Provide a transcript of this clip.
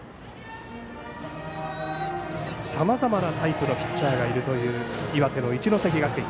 さまざまなタイプのピッチャーがいるという岩手の一関学院。